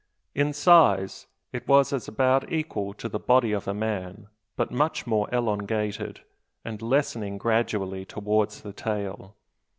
In size it it as about equal to the body of a man; but much more elongated, and lessening gradually towards the tail.